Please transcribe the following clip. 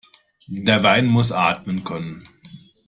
Der Wein muss atmen können.